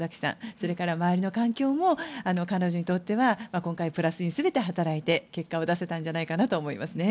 それから周りの環境も彼女にとっては今回プラスに全て働いて結果を出せたんじゃないかなと思います。